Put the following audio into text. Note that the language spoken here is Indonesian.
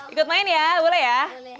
ikut main ya boleh ya